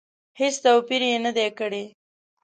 هېڅ توپیر یې نه دی کړی.